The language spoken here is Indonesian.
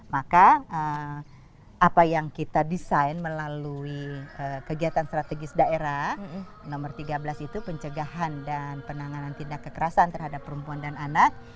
maka apa yang kita desain melalui kegiatan strategis daerah nomor tiga belas itu pencegahan dan penanganan tindak kekerasan terhadap perempuan dan anak